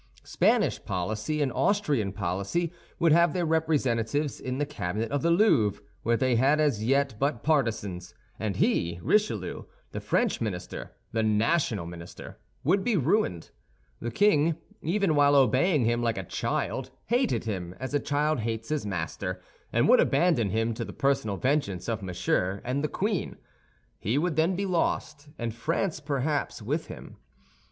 Spanish policy and Austrian policy would have their representatives in the cabinet of the Louvre, where they had as yet but partisans; and he, Richelieu—the French minister, the national minister—would be ruined. The king, even while obeying him like a child, hated him as a child hates his master, and would abandon him to the personal vengeance of Monsieur and the queen. He would then be lost, and France, perhaps, with him.